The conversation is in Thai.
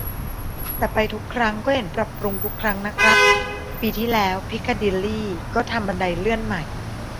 แต่ไปทุกครั้งก็เห็นปรับปรุงทุกครั้งนะครับ ปีที่แล้วพิคาดิลลีก็ทำบันไดเลื่อนใหม่